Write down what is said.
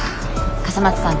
笠松さん